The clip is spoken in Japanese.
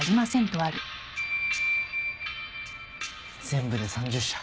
全部で３０社。